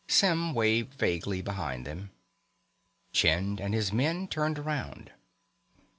Symm waved vaguely behind them. Chind and his men turned around.